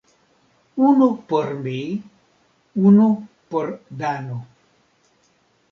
Unu por mi, unu por Dano.